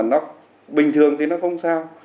phương pháp bình thường thì không sao